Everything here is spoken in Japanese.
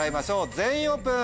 全員オープン！